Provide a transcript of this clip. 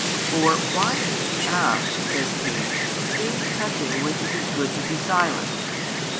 For, why do ye ask, says He, things touching which it is good to be silent?